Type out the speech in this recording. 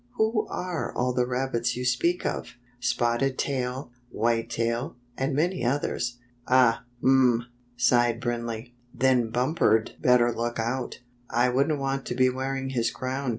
Who are all the rabbits you speak of?" " Spotted Tail, White Tail, and many others." "Ah! Um!" sighed Brindley. "Then Bumper'd better look out. I wouldn't want to be wearing his crown."